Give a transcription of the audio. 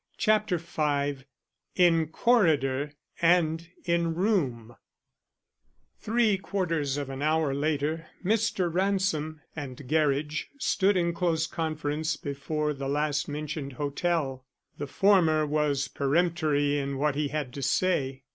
CHAPTER V IN CORRIDOR AND IN ROOM Three quarters of an hour later Mr. Ransom and Gerridge stood in close conference before the last mentioned hotel. The former was peremptory in what he had to say.